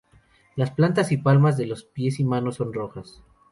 Las plantas y palmas de los pies y manos son rojas.